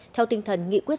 theo tinh thần nghị quân